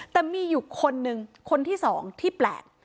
แต่มีอยู่คนนึงคนที่สองที่แปลก